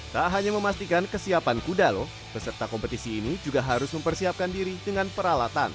tak hanya memastikan kesiapan kuda lho peserta kompetisi ini juga harus mempersiapkan diri dengan peralatan